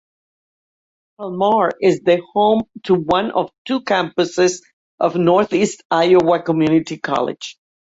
Calmar is the home to one of two campuses of Northeast Iowa Community College.